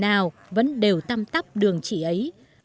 nào vẫn đều tăm tắp đường trị ấy